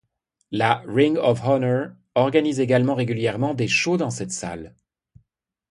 La Ring of Honor organise également régulièrement des shows dans cette salle.